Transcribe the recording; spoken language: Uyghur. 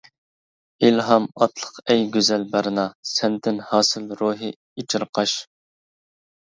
ئىلھام ئاتلىق ئەي گۈزەل بەرنا، سەندىن ھاسىل روھى ئېچىرقاش.